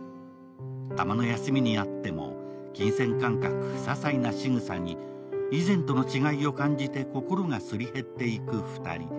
たまの休みに会っても、金銭感覚、ささいなしぐさに以前との違いを感じて、心がすり減っていく２人。